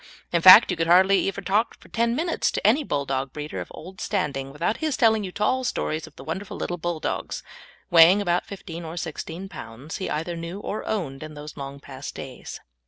In fact, you can hardly ever talk for ten minutes to any Bulldog breeder of old standing without his telling you tall stories of the wonderful little Bulldogs, weighing about fifteen or sixteen pounds, he either knew or owned in those long past days!